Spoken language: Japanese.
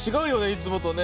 いつもとね。